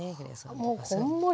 もうこんもりと。